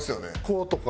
こうとか。